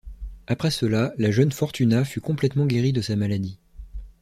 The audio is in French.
Après cela, la jeune Fortuna fut complètement guérie de sa maladie.